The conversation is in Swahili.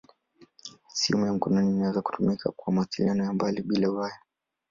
Simu ya mkononi inaweza kutumika kwa mawasiliano ya mbali bila waya.